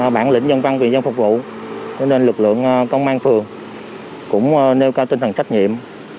bản lĩnh nhân văn vì dân phục vụ cho nên lực lượng công an phường cũng nêu cao tinh thần trách nhiệm